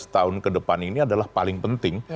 lima belas tahun ke depan ini adalah paling penting